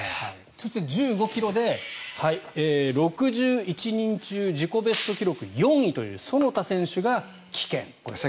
そして１５ｋｍで６１人中自己ベスト記録４位という其田選手が棄権。